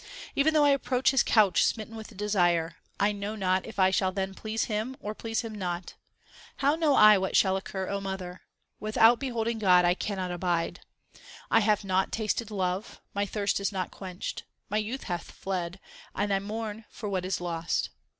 Even though I approach His couch smitten with desire, / know not if I shall then please Him or please Him not. How know I what shall occur, O mother ? Without beholding God I cannot abide. I have not tasted love ; my thirst is not quenched ; My youth hath fled, and I mourn for what is lost.